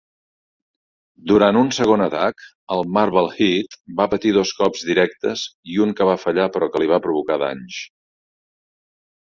Durant un segon atac, el "Marblehead" va patir dos cops directes i un que va fallar però que li va provocar danys.